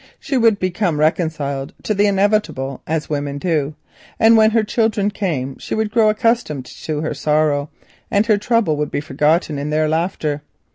She would become reconciled to the inevitable as women do, and when her children came she would grow accustomed to her sorrow, and her trouble would be forgotten in their laughter.